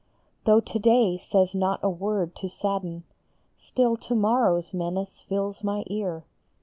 Though to day says not a word to sadden, Still to morrow s menace fills my ear.